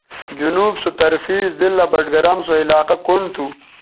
جنوب سو طرفے ضلع بٹگرام سو علاقہ کنڈ تھو